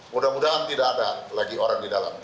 mudah mudahan tidak ada lagi orang di dalam